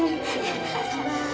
nggak marah sobat